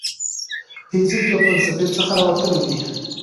فزیک له فلسفې څخه راوتلی دی.